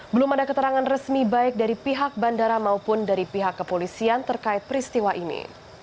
belum ada keterangan resmi baik dari pihak bandara maupun dari pihak kepolisian terkait peristiwa ini